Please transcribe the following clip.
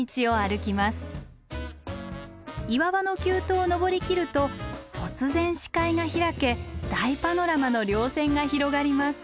岩場の急登を登りきると突然視界が開け大パノラマの稜線が広がります。